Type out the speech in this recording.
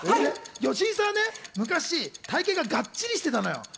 吉井さんは昔、体形ががっちりしていたのよ。